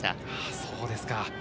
そうですか。